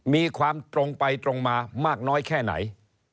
มีความตรงไปตรงมามากน้อยแค่ไหน